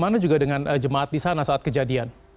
yang mana juga dengan jemaat di sana saat kejadian